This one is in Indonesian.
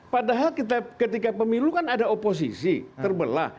padahal ketika pemilu kan ada oposisi terbelah